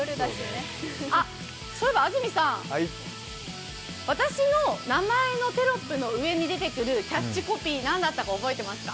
そういえば安住さん、私の名前のテロップの上に出てくるキャッチコピー、何だったか覚えてますか？